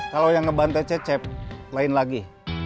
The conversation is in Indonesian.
kalau yang ngebante cecep lain lagi